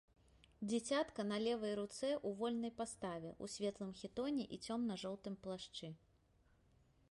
Дзіцятка на левай руцэ ў вольнай паставе, у светлым хітоне і цёмна-жоўтым плашчы.